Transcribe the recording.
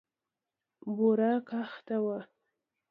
بوره کاخته وه.